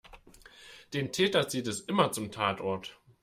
Den Täter zieht es immer zum Tatort.